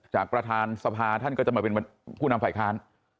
ประธานสภาท่านก็จะมาเป็นผู้นำฝ่ายค้าน